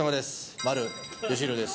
丸佳浩です。